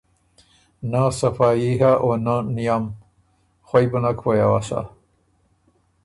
نۀ صفايي هۀ او نۀ نئم۔ خوئ بو نک پویۡ اؤسا